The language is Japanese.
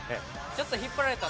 ちょっと引っ張られた。